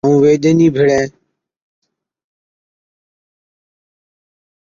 ائُون وي ڄَڃِي ڀيڙي بِي جائي ھِتي